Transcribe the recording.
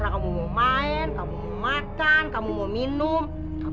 ini masih ada di mana ini mas